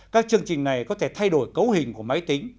các chương trình này có thể thay đổi cấu hình của máy tính